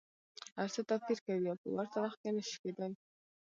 هر څه توپیر کوي او په ورته وخت کي نه شي کیدای.